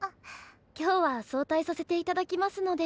今日は早退させていただきますので。